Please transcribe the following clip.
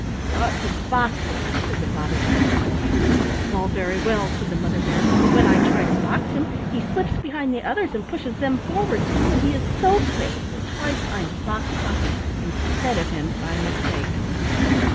"You ought to box him," said the Father Bear. "That's all very well," said the Mother Bear, "but when I try to box him he slips behind the others and pushes them forward, and he is so quick that twice I have boxed Dumpy instead of him by mistake."